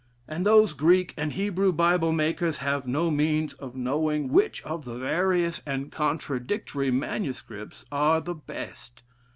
And those Greek and Hebrew Bible makers have no means of knowing which of the various and contradictory manuscripts are the best....